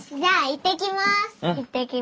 行ってきます！